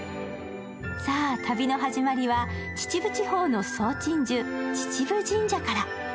旅の始まりは秩父地方の総鎮守、秩父神社から。